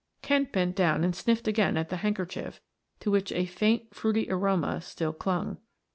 Kent bent down and sniffed again at the handkerchief to which a faint fruity aroma still clung.